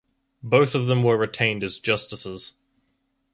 Both of them were retained as justices.